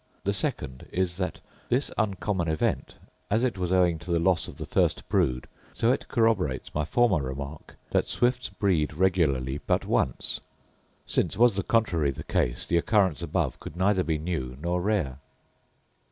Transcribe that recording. The second is, that this uncommon event, as it was owing to the loss of the first brood, so it corroborates my former remark, that swifts breed regularly but once; since, was the contrary the case, the occurrence above could neither be new nor rare.